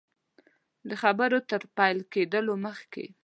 د خبرو تر پیل کېدلو مخکي.